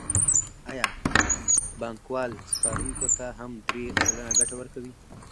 آیا بانکوال سپارونکو ته هم درې سلنه ګټه ورکوي